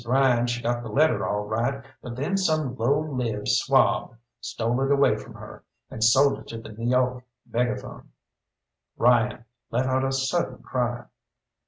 Ryan she got the letter all right, but then some low lived swab stole it away from her, and sold it to the N' York Megaphone." Ryan let out a sudden cry.